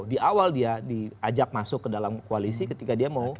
di awal dia diajak masuk ke dalam koalisi ketika dia mau